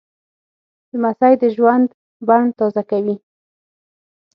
لمسی د ژوند بڼ تازه کوي.